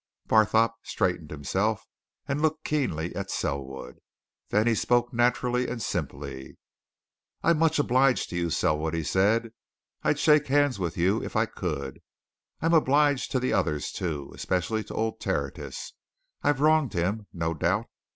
Barthorpe straightened himself and looked keenly at Selwood. Then he spoke naturally and simply. "I'm much obliged to you, Selwood," he said. "I'd shake hands with you if I could. I'm obliged to the others, too especially to old Tertius I've wronged him, no doubt.